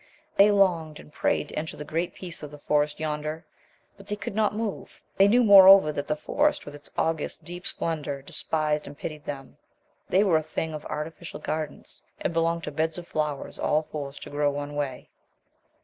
They longed and prayed to enter the great Peace of the Forest yonder, but they could not move. They knew, moreover, that the Forest with its august, deep splendor despised and pitied them. They were a thing of artificial gardens, and belonged to beds of flowers all forced to grow one way....